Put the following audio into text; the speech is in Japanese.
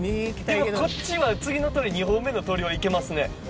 でもこっちは次の通り２本目の通りは行けますね。